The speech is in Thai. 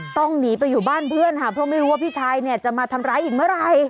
ต้องหนีไปอยู่บ้านเพื่อนค่ะเพราะไม่รู้ว่าพี่ชายเนี่ยจะมาทำร้ายอีกเมื่อไหร่